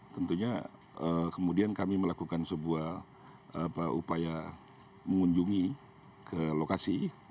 tentunya kemudian kami melakukan sebuah upaya mengunjungi ke lokasi